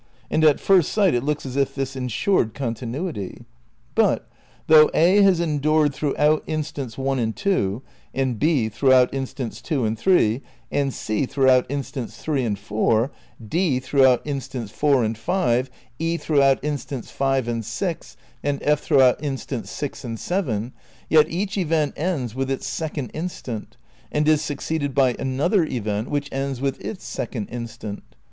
And at first sight it looks as if this ensured continuity. But, though A has endured throughout instants 1 and 2, and B throughout instants 2 and 3, and C throughout instants 3 and 4, D throughout instants 176 THE NEW IDEALISM v 4 and 5, E throughout instants 5 and 6, and F through out instants 6 and 7, yet each event ends with its second instant and is succeeded by another event which ends with its second instant.